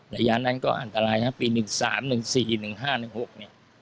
ระยะนั้นก็อันตรายนะปี๑๓๑๔๑๕๑๖เนี่ย